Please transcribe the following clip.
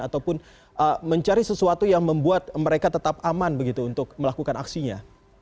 ataupun mencari sesuatu yang membuat mereka tetap aman begitu untuk melakukan aksinya